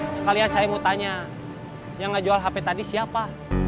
sekalian saya mau tanya yang ngejual hape tadi siapa